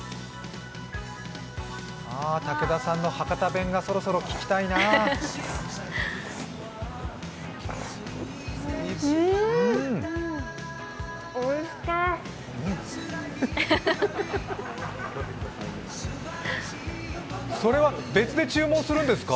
武田さんの博多弁がそろそろ聞きたいなうん、おいしか。